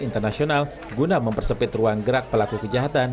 internasional guna mempersepit ruang gerak pelaku kejahatan